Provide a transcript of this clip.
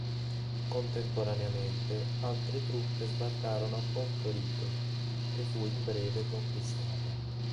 Contemporaneamente altre truppe sbarcarono a Porto Rico, che fu in breve conquistata.